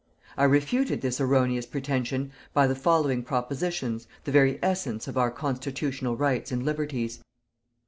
I refuted this erroneous pretension by the following propositions, the very essence of our constitutional rights and liberties: 1.